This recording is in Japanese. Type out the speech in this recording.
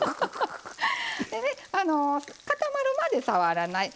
でね固まるまで触らない。